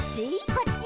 「こっち？」